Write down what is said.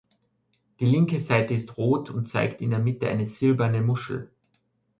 Die linke Seite ist rot und zeigt in der Mitte eine silberne Muschel.